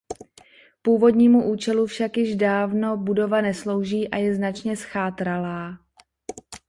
Původnímu účelu však již dávno budova neslouží a je značně zchátralá.